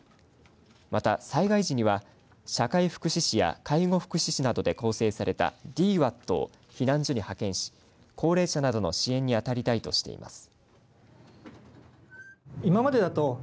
また、災害時には社会福祉士や介護福祉士などで構成されたＤＷＡＴを避難所に派遣し高齢者などの支援に当たりたいとしています。